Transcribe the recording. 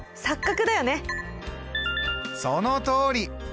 そのとおり。